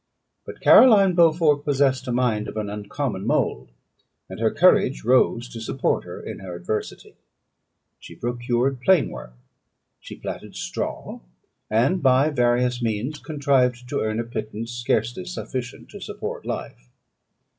But Caroline Beaufort possessed a mind of an uncommon mould; and her courage rose to support her in her adversity. She procured plain work; she plaited straw; and by various means contrived to earn a pittance scarcely sufficient to support life.